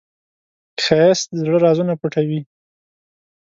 ښایست د زړه رازونه پټوي